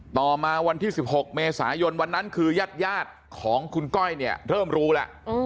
ต่อมาวันที่๑๖เมษายนวันนั้นคือยาดของคุณก้อยเนี่ยเริ่มรู้แล้ว